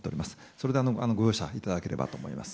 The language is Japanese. それでご容赦いただければと思います。